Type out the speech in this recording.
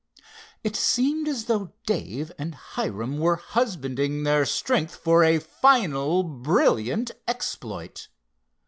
It seemed as though Dave and Hiram were husbanding their strength for a final brilliant exploit.